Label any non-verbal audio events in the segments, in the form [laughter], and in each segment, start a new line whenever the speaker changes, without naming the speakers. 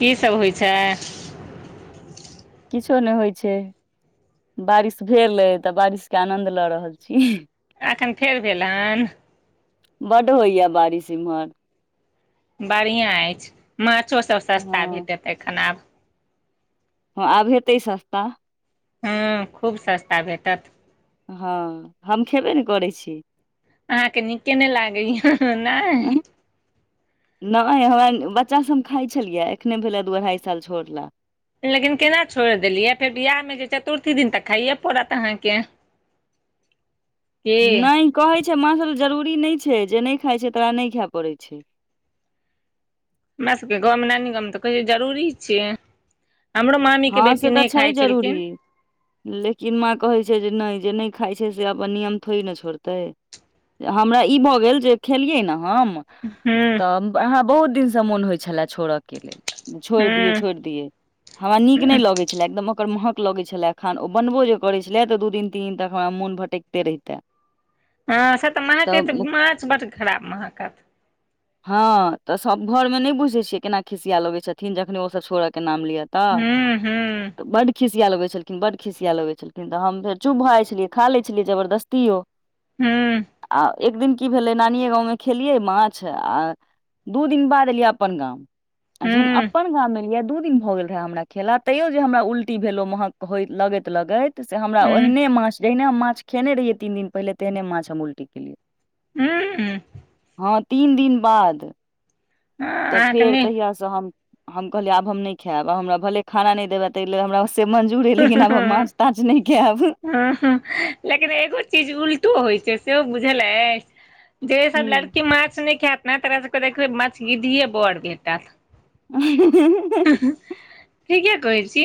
की सब होइ छै
किछो नय होइ छै बारिश भेल अइ तऽ बारिश के आनन्द लऽ रहल छी
अखन फेर भेल हन
बड होईए बारिश इमहर
बढ़िआँ अईछ माछोसभ
हँ
सस्ता भेटतै एखन आब
हँ आब हेतै सस्ता
हू खूब सस्ता भेटत
हँ हम खेबे ने करै छी
अहाँके नीके नय लागैय नय
नय हमरा बच्चाभ हम खाइ छलियै एखने भेले दू अढ़ाई साल छोड़ ला
लेकिन केना छोड़ देलियै फेर बियाह मे जे चतुर्थी दिन तक खाइये पड़त अहाँके
[inaudible]
की
नय कहै छै माछल जरूरी नय छै जे नय खाइ छै तरा नय खायए पड़ै छै
हमरा सबके गाँवमे नानी गाँव तऽ कहै छै जरुररी छियै हमरो मामीके
हँ
बेटी
से तऽ
नय
छै
खाइ
जरूरी
छलखिन
लेकिन माँ कहैत छै जे नय जे नय खाई छै से अपन नियम थोड़ ने छोड़तै हमरा ई भऽ गेल जे खेलियै ने हम
हुँ
अहाँ बहुत दिन से मोन होइत छलए छोड़ऽ के लेल छोर दियै
हूँ
छोर दियै हमरा नीक नहि
हूँ
लगैत छलै एकदम ओकर महग लगैत छलए एखन ओ बनबो जे करैत छलए तऽ दू दिन तीन दिन तक हमरा मोन भटक ओतय रहैता
हँ से तऽ महक माछ बड खराब महकत
हँ तऽ सभ घर मे नहि बुझैत छियै केना खिसिया लगैत छथिन जखन ओ सभ छोड़य के नाम लियत तऽ
हूँ हूँ
बड खिसिया लगै छलखिन बड खिसिया लगैत छथिन तऽ हम फेर चुप भऽ जाइ छलियै खा लै छलियै जबरदस्तियो
हूँ
आ एक दिन की भेलै नानिे गाँंव मे खेलियै माछ आ दू दिन बाद एलियै अपन गाम आ जहन
हूँ
अपन गााम मे एलियै दू दिन भऽ गेल भ गेल हमरा खेला तइयो जे हमरा उल्टी भेलोऊ महक होइत लगाएत लगाएत से हमरा
हूँ
आहियने माछ जहिना हम माछ खेने रहियै तीन दिन पहिल तहिने माछ हम उल्टी केलियै
हुँ
हँ तीन दिन बाद तऽ
अहाँके
फेर
नहि
तहिया से हम कहलियै आब हम नहि खायब हमरा भले खाना नहि देबै ताहि लेल हमरा से मंजूर है लेकिन अब हम माछ ताच नहिके खेब
हाँ लेकिन एगो चीज उलटो होइ छै सेहो बुझ अछि जे सब
की
लड़की मछ नहि खेत न तरा सब देख मछ गीधीए बोर देताअत
[unintelligible]
ठीके कह छी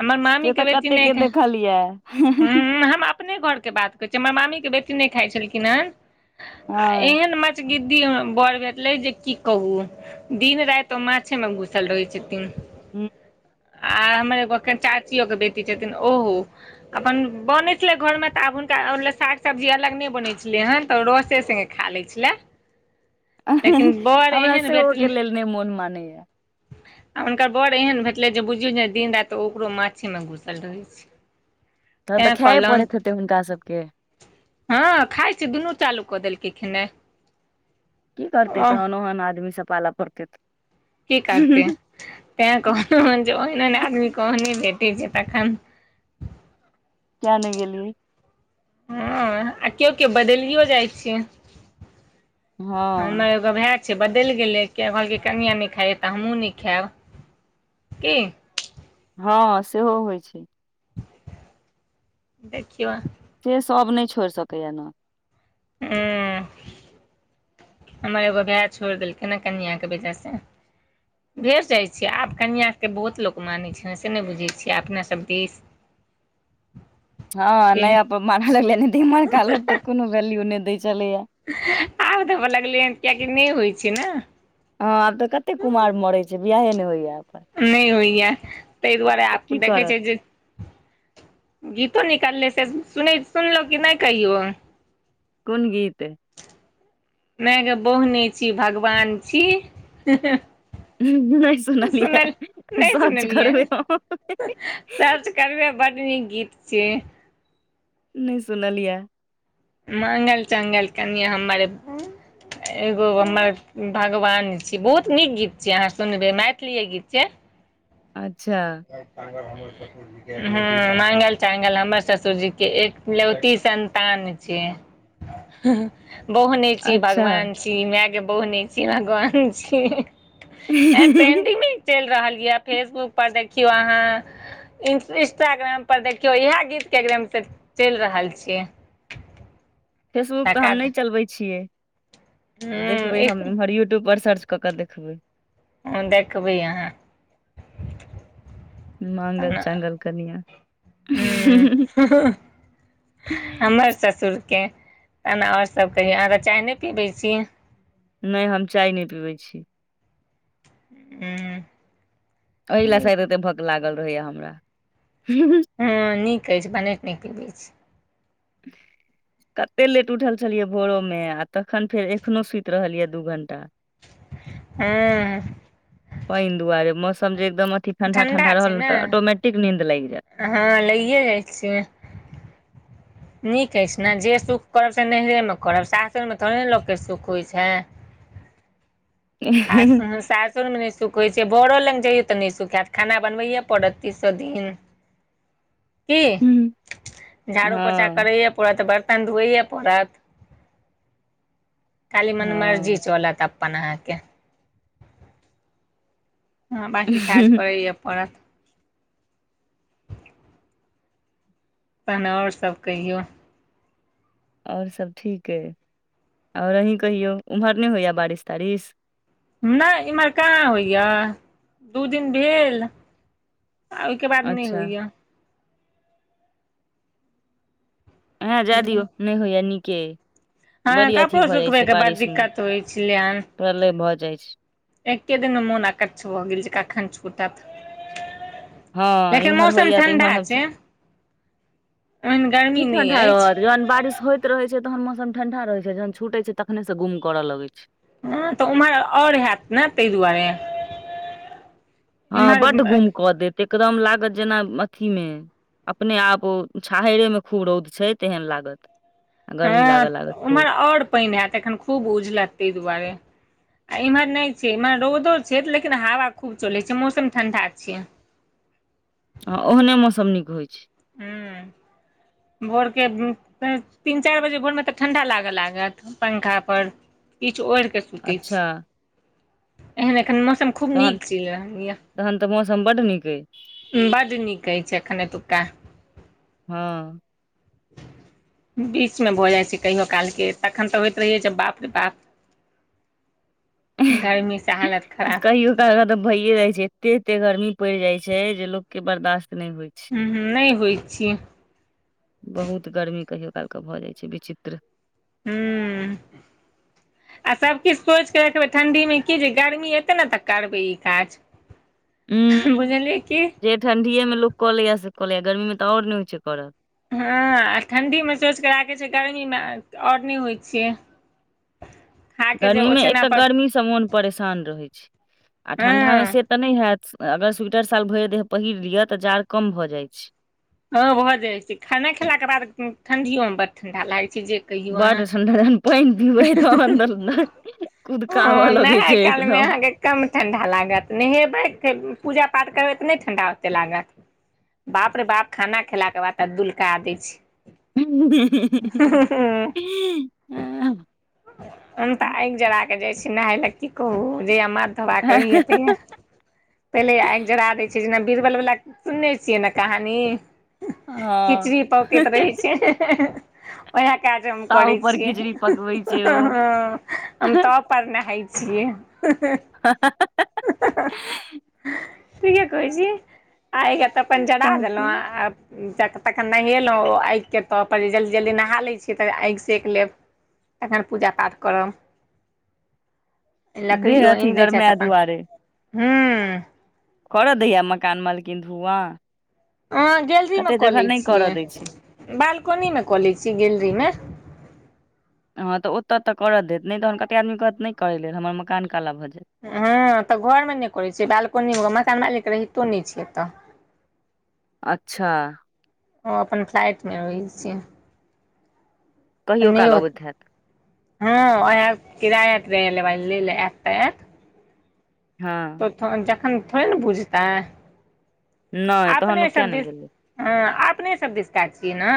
हमर
से
मामी
तऽ
बेटी
कते
नहि
के
खा
देखलियऽ
हूँ हम अपने घर बातै कहिए अछि हमर मामी के बेटी नहि खाइ छलखिन है
हँ
आ एहेन मछ गिद्दी बर भेटले जे की कहू दिन रैइतो माछे मे घुसल रहै छथिन
ह
आ हमर एगो एखन चाचियो के बेटी छथिन ओहो अपन बने छले घर में त आब हुनका ले साग सब्जी अलग ने बने छले हेन तो रसे से खा लैल छेला
हमरा
एहन
सेहो
भेटलै
के लेल नहि मोन मानैया
आ हुनकर बड़ एहन भेटलै जे बुझियौ ने दिन राएत ओकरो माछे मे घुसल रहैत छै
तहन तऽ
तैँ
खाए
कहलनि
पड़ैत हेतै हुनका सभ के
हँ खाइ छै दुनू चालू कऽ देलकिन खेना
की करतै तहन ओहन आदमी से पालऽ पड़तै
की करते तैं कहलोऊ हन जे ओहन ओन आदमी आह्ने भेटी छै तखन
क्य नहि गेलीये
हँ आ केओ केओ बदलियो जाइ छै
हँ
भए छै बदलि गेलै किया कहकै कनिआ नहि खाइय तऽ हमहु नहि खायब की
हँ सेहो होइ छै
देखयो
से सब नहि छोड़ि सकैया ने
ह हमर एगो भाय छोड़ देलखै ह कन्य के बेटा से भेज जाय छी आब कनिया के बहुत लोग माने छै से ने बुझे छीे अपना सब दे
[inaudible] हँ
के
नया पर मार लगलै दिम काल तऽ कोनो वैल्यू नहि दै छलैएा
आब धबऽ लगलै हन कियकि नहि होइ छै ने
हँ आब तऽ कते कुमार मरे छै बियाहे ने होइया आब
नहि होइया ताहि दुआरे
तऽ
आप
की
देखै छै
करत
जे गीतो निकालले से सु सुनलो क नहि कहियो
कोन गीत
मैाय ग बहु नेछी भगवान छी
नहि सुनलियै
सुनल नहि
सर्च
सुनलियऐ
करबै हम
सर्च करबे बड नीक गीत छिय
नहि सुनलियिया
मागल चङगल कनिया हमर एगो हमर भगवान छी बहुत नीक गीत छियै अहाँ सुनबै मैथिलीए गीत छियै
अच्छा
[unintelligible] ह मांगल चांगल हमर ससुरजी के एकलौती संतान छी बोहने छी
अच्छा
भगवान छी माय के बहु नहि छी भगवान छी पेंडिंग चलि रहल यए फेसबुक पर देखियौ अहाँ इ इंस्टाग्राम पर देखियौ इएह गीत के एकदम से चलि रहल छै
फेसबुक तऽ हम नहि चलबै छियै
हूँ
तऽ देखबै
एक
हम एमहर यूट्यूब पर सर्च कऽ कऽ देखबै देखबै
ह देखबै
मांगल
अहाँ
चांगल कनिया
[unintelligible] हमर ससुरके तहन आओर सभ कहियो अहाँ तऽ चाय नहि पीबै छी
नहि हम चाय नहि पीबै छी
ह
एहि लए शायद एते भक लागल रहैयै हमरा
हँ नीक अछि भने नहि पीबैत छी
[unintelligible] कतेक लेट उठल छलियै भोरोमे आ तखन फेर एखनौ सुति रहलियै दू घण्टा
हँ
पानि दुआरे मौसम जे एकदम अथि ठंडा ठंडा
ठण्डा छै
रहल ने तऽ ऑटोमटिक नीन्द लागि जायत
हँ लागिए जाइ छै नीक अछि ने जे सुख करब से नहियरेमे करब सासुरमे थोड़े ने लोकके सुख होइत छै [unintelligible] सासुरमे नहि सुख होइ छै बरो लग जइयौ तऽ नहि सुख हैत खाना बनबैयै पड़त तीसो दिन
[inaudible]
की
हम्म,
झाड़ू पोछा
हँ
करैया परत वर तन धोइए पड़त खाली मन मर्जी
हँ
चलत अप अपन अहाँके हँ बाकी काज करैए पड़त तहन आओर सब कहियौ
आओर सभ ठीक अइ आओर अहीं कहियौ ओम्हर नहि होइयै बारिश तारिश
नहि इम्हर कहाँ होइयै दू दिन भेल आ ओहिके बाद नहि
अच्छा
होइयै
ह जाय दियौ नहि होइयै नीके अइ
हमरा
बड़ी अथी
कपड़ो
भऽ जाइ छै
सुखबैके बड़
बारिश मे
दिक्कत होइ छलै हन
प्रलय भऽ जाइ छै
एके दिनमे मोन आकछ भऽ गेल जे कखन छूटट
हँ एम्हर होइए तऽ इम्हर हम सब
ओहन
की
गर्मी नहि
ठण्डा रहत
अछि
जहन बारिश होइत रहे छै तहन मौसम ठंडा रहय छै जहन छूटे छै तखने से गुम करऽ लगै छै
ह तऽ उम्हर आओर हैत ने ताहि दुआरे
हँ बड्ड
एम्हर
गुम कऽ देत एकदम लागत जेना अथीमे अपने आप ओ छाहरे मे खूब रौद छै तेहन लागत आ गर्मी
हँ
लागऽ लागत
उम्हर
खूब
आओर पानि हैत एखन खूब उझलत ताहि दुआरे आ इम्हर नहि छै इमहर रौदो छै लेकिन हवा खूब चलै छै मौसम ठंडा छै
हँ ओहने मौसम नीक होइ छै
हूँ भोरके तीन चारि बजे भोर मे तऽ ठंडा लागय लागत पंखा पर किछु ओढ़ के सुतै
अच्छा
छी एह एखन मौसम खूब
तहन
नीक चलि रहल यै
तहन तऽ मौसम बड्ड नीक अइ
बड नीक कहै छै एखन एतुक्का
हँ
बीच मे भऽ जाइ छै कहियो कालके तखन तऽ होइत रहैयै जे बाप रे बाप
[inaudible]
गर्मी से हालत खराब
कहियो तऽ भये जाय छै एते एते गर्मी पड़ि जाय छै जे लोक के बर्दाश्त नहि होइत छै
ह्म नहि होइत छी
बहुत गर्मी कहियो काल के भऽ जाइ छै विचित्र
ह्म आ सबकछु सोचिक रखबै ठंडी मे की जे गर्मी एते न त करबै ई काज
[inaudible]
बुझली कि
ठंढिए मे लोक कलैया से कलैय गर्मीमे त और नहि होइ छै करत
हँ आ ठंडिमे सोचिक राखैत छै गर्मीमे आओर नहि होइत छियै खा के जे
गर्मीमे
ओछैना
एकटाऽ
पर
गर्मी मन परेशान रहै छै आ
हँ
ठंढा मे से त नहि हैत अगर स्वीटर शाल भरि देह पहिर लियअ तऽ जाड़ कम भऽ जाइ छै
हँ भऽ जाइ छै खाना खेला के बाद ठंढियो मे बड ठंडा लागै छै जे कहियौ अहाँ
बड ठंडा जहन पानि पीबै तहन तऽ कुदकाबऽ
हँ
लगै
नहाई
छै
काल मे
एकदम
अहाँ कम ठंढा लागत नहेबै पूजा पाठ करबै त नहि ठंढा ओते लागत बाप रे बाप खाना खेलाके बाद त दुलका दै छै
[unintelligible]
हम तऽ आगि जरा के जाइ छी नहाय ले की कहू जे हमर तब आक रही हतै य पहिले आगि जरा दै छियै जेना बीरबल बला सुनने छियै ने कहानी
हँ
खिचड़ी पौकैत रहै छै उएह काज हम
ताव
करै
पर
छियै
खिचड़ी पकबै छै ओ
हम
ताव
तब पर नहाई छियै
[unintelligible]
ठीके कहै छियै आइ तऽ अपन जरा देलंऊ
पर
आ तखन नहेलहुँ ओ आगिके तर जे जल्दी जल्दी नहा लै छियै तऽ आगि सेक लेब तखन पूजा पाठ करब
देह
लकड़ियो आनि
अथी
दै छथि
गरमाय
अपन ह्म
कर दैया मकान मालकिन धुआँ
अहाँ गैलरीमे
कते जगह
कलै
नहि करऽ
छियै
दै छै
बालकनीमे क लै छियै गैलरीमे
हँ त ओत त कर देत नहि तहन कतेक आदमी कहत नहि करय लेल हमर मकान काला भ जायत
हँ तऽ घरमे नहि करैत छियै बालकोनीमे मकान मालिक रहितो नहि छै एता
अच्छा
ओ अपन फ्लाइट मे रही छ
कहियो
नै
काल अबैत हैत
इते हा आहा किराया लैला आइत त आइत
हँ
जखन थोड़े ने बुझते है
नहि तहन ओ
अपने
किया
सब
नहि
दिन
गेलै
हँ अपने सब दिशकाज छियै ने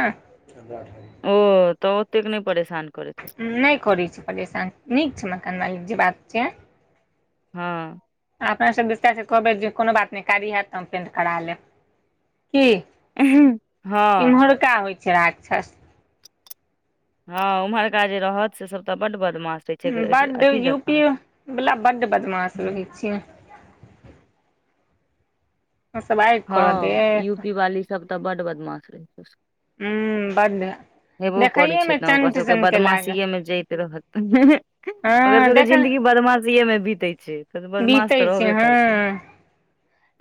ओ तऽ ओतेक नहि परेशान करैत हे
नहि करैत छै परेशान नीक छै मकान मालिक जे बात छै
हँ
अपनेसँ विस्तार कहबै जे कोनो बात नहि कारी हत तऽ हम पेंट करा लेब की
हँ
इम्हरका होइ छै राक्षस
हँ उम्हरका जे रहत से सब त बड बदमास
बड्ड यू पी वला बड्ड बदमाश रहै छी ह सब बा
हँ यू पी वाली सब तऽ बड बदमाश रहै छै
हूं बड्ड
हेबो करै
देखैये
छै
मे
ने ओकर
चंट
सबके
सनके लागल
बदमाशीएमे जाइत रहथि ओकर
हँ
सबके
देख
जिन्दगी बदमाशिएमे बीतै छै त बदमाश
बीतै
त
छै
रहबे
हँ
करतै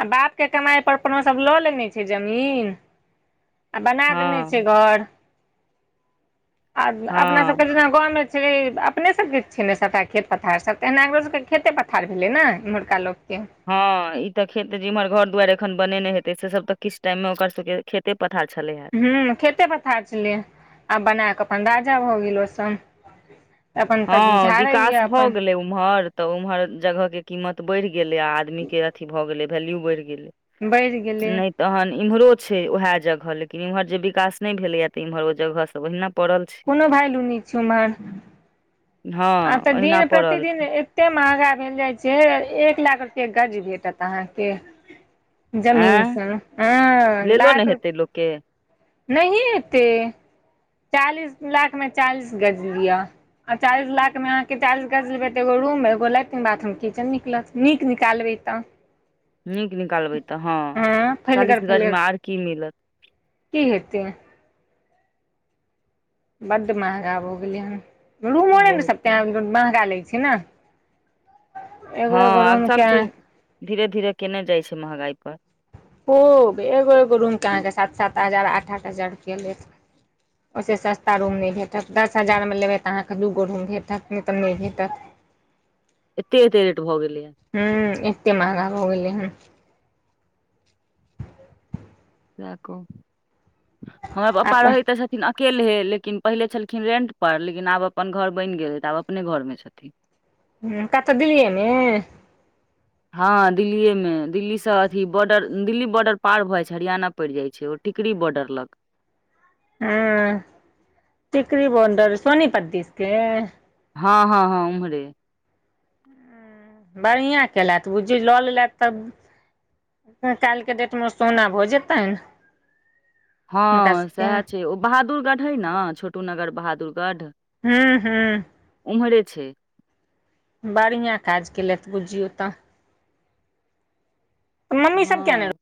आ बाप के कमाइ पर कोनो सब लऽ लेने छै जमीन आ बना
हँ
देने छै घर अपना
हँ
सबके जेना गाँमे अपने सबके छै ने सभटा खेत पथार सब तऽ एना ओरो सबके खेते पथार भेलै ने एम्हरका लोकके
हँ ई तऽ खेत जे इम्हर घर दुआरि एखन बने हेतै से सब तऽ किछु टाइम मे ओकर सबके खेते पथार छले हे
हुँ खेते पथार छलै आ बना कऽ अपन राजा भऽ गेल ओ सभ
हँ विकास भऽ गेलै उम्हर तऽ उम्हर जगह के कीमत बढ़ गेले आ आदमी के अथी भए गेले वैल्यू बढ़ गेले
बैढ़ि गेलै
तहन इम्हरो छै वएह जगह लेकिन इम्हर जे विकास नहि भेलेएा तऽ इम्हर ओ जगह सब ओहिना पड़ल छै
भायलु नै छै ओम्हर आ
हँ
तऽ
ओहिना
दिन
पड़ल
प्रतिदिन
छै।
एते महगा भेल जाइ छै एक लाख रुपे गज भेटत अहाँके
आँय
जमीनसँ हँ
लेलो ने
लाख
हेतै लोकके
नहि एते चालीस लाख मे चालीस गज लिया आ चालिस लाख मे अहाँके चालिस गज लेबै त एो रूम एो लेट्रिन बाथरूम किचन निकलत नीक निकालबै तऽ
नीक निकालबै तऽ हँ
फैलगर
चालीसगजमे
फैलगर
आर की मिलत
की हेतै बड्ड महगा भऽ गेलै हन रूमो नहि ने
बहुत
स महगा लै छै ने एगो
हँ
एगो
आब सब
रूमके
चीज धीरे धीरे कएने जाइ छै महगाइ पर
खूब एगो एगो रूमके अहाँके सात सात हजार आठ आठ हजार रुपया लेत
[unintelligible]
ओहिसँ सस्ता रूम नहि भेटत दस हजारमे लेबै तऽ अहाँकेँ दूगो रूम भेटत नहि तऽ नहि भेटत
एते एते रेट भऽ गेल
हुँ एते महंगा भ गेले हन
सह कहु हमरा पपा
अपन
रहैत छथिन लेकिन अकेले हे लेकिन पहिले छलखिन रेंट परर लेकिन आब अपन घर बनि गेलै तऽ आब अपने घरमे छथिन
ह कतऽ दिललियै मे
हँ दिल्लीए मे दिल्ली से अथी बॉर्डर दिल्ली बॉर्डर पार भऽ जाइ छै हरियाणा पड़ि जाइ छै टिकरी बॉर्डर लग
हँ टिकरी बोडर सोनीपथ दिसके
हँ हँ हँ उमरे
बढ़िआँ केलत बुझी लऽ लेलथि तब काल्हिके डेटमे सोना भऽ जेतै ने
हँ सएह छै ओ बहादुरगढ़ हइ ने छोटू नगर बहादुरगढ़
हूँ हूँ
उम्हरे छै
बढ़िआँ काज केलथि बुझियौ तऽ मम्मी सब कियेअ ने
हँ
एलखून